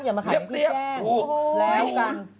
อย่ามาขับพี่แจ้ง